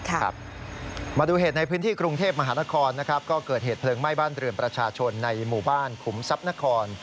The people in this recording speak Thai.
มาดูเหตุในพื้นที่กรุงเทพฯมหานครเกิดเหตุเพลิงไหม้บ้านเตือนประชาชนในหมู่บ้านขุมซับนคร